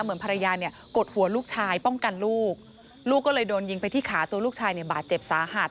เหมือนภรรยาเนี่ยกดหัวลูกชายป้องกันลูกลูกลูกก็เลยโดนยิงไปที่ขาตัวลูกชายเนี่ยบาดเจ็บสาหัส